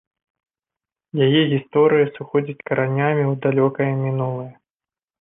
Яе гісторыя сыходзіць каранямі ў далёкае мінулае.